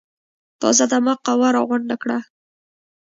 تازه دمه قوه راغونډه کړه.